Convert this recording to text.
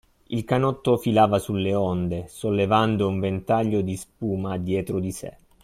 Il canotto filava sulle onde, sollevando un ventaglio di spuma dietro di sé.